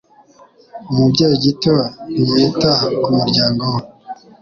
Umubyeyi gito ntiyita k' umuryango we